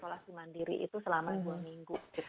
isolasi mandiri itu selama dua minggu